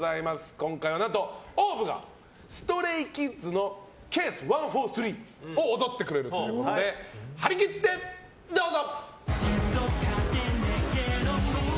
今回は、何とＯＷＶがＳｔｒａｙＫｉｄｓの「ＣＡＳＥ１４３」を踊ってくれるということで張り切ってどうぞ。